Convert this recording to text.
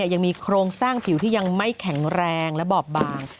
ยังมีโครงสร้างผิวที่ยังไม่แข็งแรงและบอบบาง